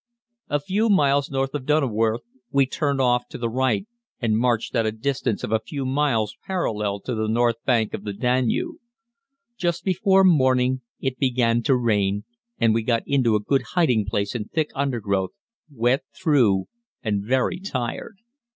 A few miles north of Donnauwörth we turned off to the right and marched at a distance of a few miles parallel to the north bank of the Danube. Just before morning it began to rain and we got into a good hiding place in thick undergrowth, wet through and very tired.